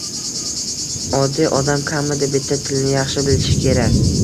Oddiy odam kamida bitta tilni yaxshi bilishi kerak